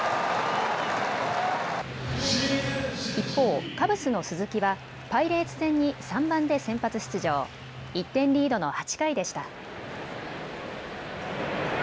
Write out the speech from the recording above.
一方、カブスの鈴木はパイレーツ戦に３番で先発出場、１点リードの８回でした。